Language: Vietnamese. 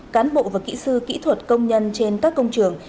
cán bộ và kỹ sư kỹ thuật công nhân trên các công trường